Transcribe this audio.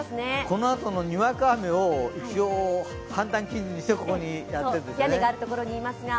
このあとのにわか雨を一応、判断基準にしてここでやってるんですね。